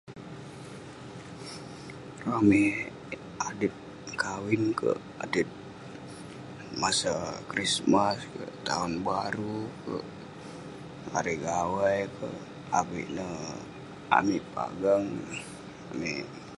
Ramey adet kawin kek, adet masa krismas kek, taun baru kek, ari gawai kek avik ne amik pagang, amik.